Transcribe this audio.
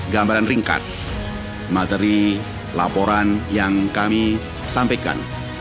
gambaran ringkas materi laporan yang kami sampaikan